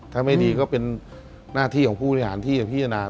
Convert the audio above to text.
ถ้าไม่ดีก็เป็นหน้าที่ของผู้บริหารที่จะพิจารณา